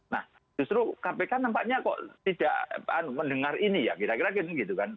nah justru kpk nampaknya kok tidak mendengar ini ya kira kira gitu gitu kan